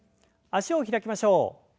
脚を開きましょう。